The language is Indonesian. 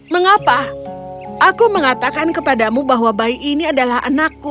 mengapa aku mengatakan kepadamu bahwa bayi ini adalah anakku